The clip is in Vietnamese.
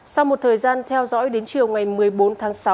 sau một thời gian theo dõi đến chiều ngày một mươi bốn tháng sáu